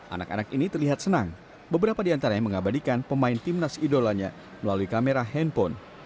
anak anak ini terlihat senang beberapa di antara yang mengabadikan pemain timnas idolanya melalui kamera handphone